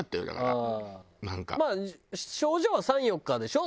まあ症状は３４日でしょ？